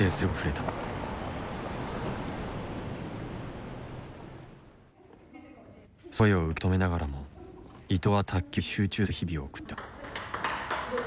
その声を受け止めながらも伊藤は卓球に集中する日々を送っていた。